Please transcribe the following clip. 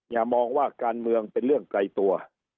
อย่ามองว่าการเมืองเป็นเรื่องไกลตัว